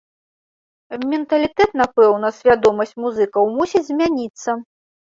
Менталітэт, напэўна, свядомасць музыкаў мусіць змяніцца.